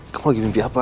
kamu lagi mimpi apa